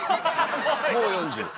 もう４０。